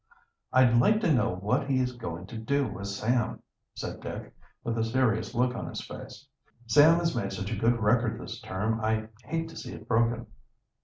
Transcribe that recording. "I'd like to know what he is going to do with Sam," said Dick, with a serious look on his face. "Sam has made such a good record this term I hate to see it broken."